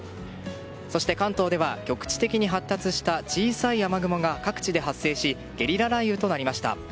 そして関東では局地的に発達した小さい雨雲が各地で発生しゲリラ雷雨となりました。